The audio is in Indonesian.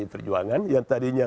iya ya di ta gibas